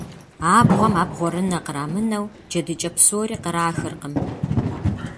Абгъуэм абгъурынэ кърамынэу, джэдыкӏэ псори кърахыркъым.